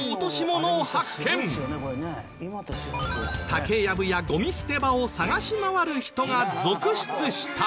竹やぶやゴミ捨て場を探し回る人が続出した。